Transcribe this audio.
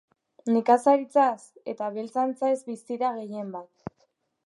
Nekazaritzaz eta abeltzaintzaz bizi da gehien bat.